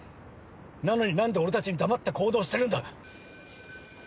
なのに何で俺たちに黙って行動してるんだ。